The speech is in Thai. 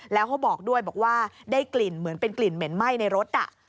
แล้วเขาบอกด้วยบอกว่าได้กลิ่นเหมือนเป็นกลิ่นเหม็นไหม้ในรถ